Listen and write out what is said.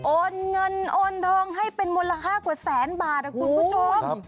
โอนเงินโอนทองให้เป็นมูลค่ากว่าแสนบาทนะคุณผู้ชม